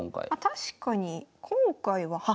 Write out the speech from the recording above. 確かに今回はは！